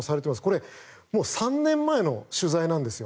これ、３年前の取材なんですよ。